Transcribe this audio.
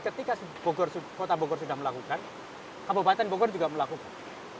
ketika kota bogor sudah melakukan kabupaten bogor juga melakukan